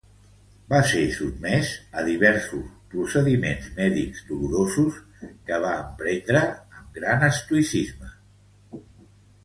Va ser sotmès a diversos procediments mèdics dolorosos, que va emprendre amb gran estoïcisme.